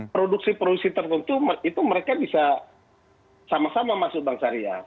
produksi produksi tertentu itu mereka bisa sama sama masuk bank syariah